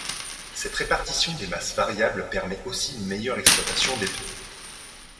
Cette répartition des masses variable permet aussi une meilleure exploitation des pneus.